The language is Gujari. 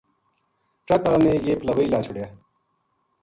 ٹرک ہالا نے یہ پھلاوائی لاہ چھُڑیا